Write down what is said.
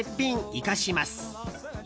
生かします。